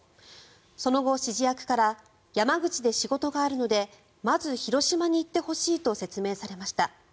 その後、指示役から山口で仕事があるのでまず広島に行ってほしいと説明されました。